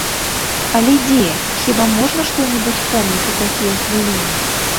Але дзе, хіба можна што-небудзь помніць у такія хвіліны?